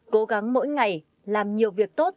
cố gắng mỗi ngày làm nhiều việc tốt